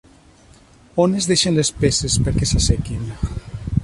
On es deixen les peces perquè s'assequin?